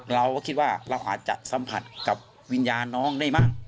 เราก็คิดว่าเราอาจจะสัมผัสกับวิญญาณน้องได้มั่ง